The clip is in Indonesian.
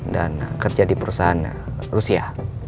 dan kerja di perusahaan rusia